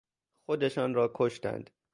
خودشان را کشتند.